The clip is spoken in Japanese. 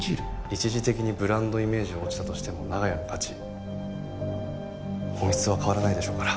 一時的にブランドイメージは落ちたとしても長屋の価値本質は変わらないでしょうから。